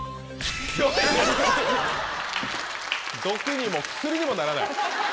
毒にも薬にもならない。